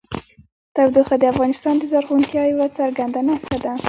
تودوخه د افغانستان د زرغونتیا یوه څرګنده نښه ده.